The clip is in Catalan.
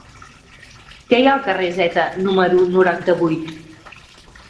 Què hi ha al carrer Zeta número noranta-vuit?